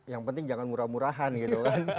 yang penting jangan murah murahan gitu kan